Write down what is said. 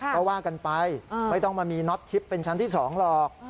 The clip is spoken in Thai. ก็ว่ากันไปไม่ต้องมามีน็อตทิพย์เป็นชั้นที่๒หรอก